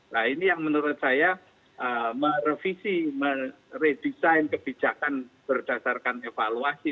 nah ini yang menurut saya merevisi meredesain kebijakan berdasarkan evaluasi